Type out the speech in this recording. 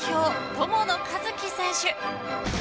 友野一希選手。